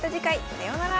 さようなら。